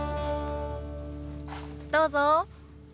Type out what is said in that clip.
どうぞ。